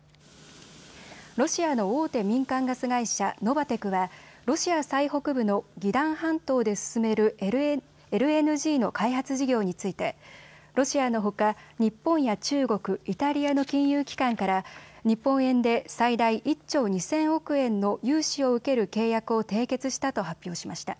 ロシアの大手民間ガス会社、ノバテクはロシア最北部のギダン半島で進めるＬＮＧの開発事業についてロシアのほか日本や中国、イタリアの金融機関から日本円で最大１兆２０００億円の融資を受ける契約を締結したと発表しました。